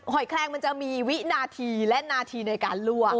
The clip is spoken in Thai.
อยแคลงมันจะมีวินาทีและนาทีในการลั่ว